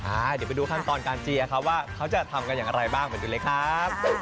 เดี๋ยวไปดูขั้นตอนการเจียครับว่าเขาจะทำกันอย่างไรบ้างไปดูเลยครับ